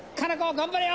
頑張れよ！